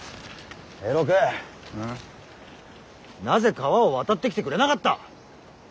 なぜ川を渡ってきてくれなかった！